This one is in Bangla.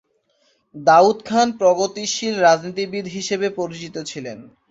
দাউদ খান প্রগতিশীল রাজনীতিবিদ হিসেবে পরিচিত ছিলেন।